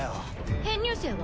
編入生は？